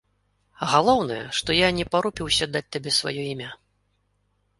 А галоўнае, што я не парупіўся даць табе сваё імя.